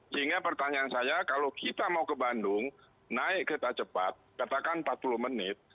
sehingga pertanyaan saya kalau kita mau ke bandung naik kereta cepat katakan empat puluh menit